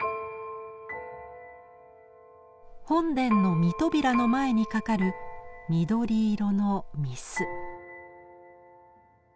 本殿の御扉の前に掛かる緑色の御簾。